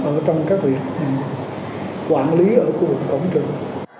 ở trong cái việc quản lý ở khu vực cổng trường